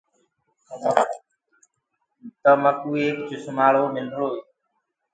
تو مڪوُ ايڪ چشمآݪو ملرو۔